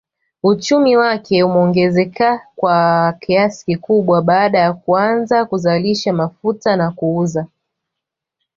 Uchumi wake umeongezeka kwa kiasi kikubwa baada ya kuanza kuzalisha mafuta na kuuza